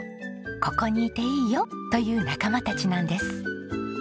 「ここにいていいよ！」という仲間たちなんです。